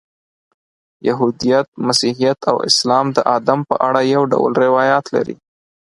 یهودیت، مسیحیت او اسلام د آدم په اړه یو ډول روایات لري.